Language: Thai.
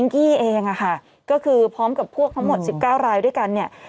ก็คือพร้อมกับพวกทั้งหมด๑๙รายเอาด้วยกันเนี่ย